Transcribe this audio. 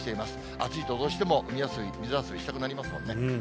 暑いとどうしても、水遊びしたくなりますもんね。